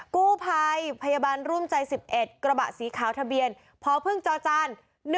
กู้ภัยพยาบาลร่วมใจ๑๑กระบะสีขาวทะเบียนพพจ๑๑